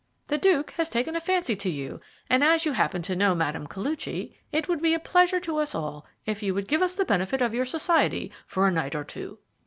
The Duke has taken a fancy to you, and as you happen to know Mme. Koluchy, it would be a pleasure to us all if you would give us the benefit of your society for a night or two."